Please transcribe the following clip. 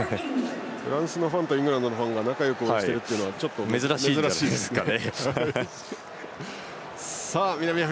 フランスのファンとイングランドのファンが仲よくしているのは珍しいですね。